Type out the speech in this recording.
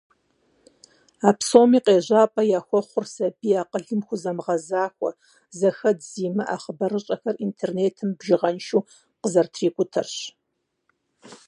А псоми къежьапӀэ яхуэхъур сабий акъылым хузэмыгъэзахуэ, зэхэдз зимыӀэ хъыбарыщӀэхэр интернетым бжыгъэншэу къазэрытрикӀутэрщ.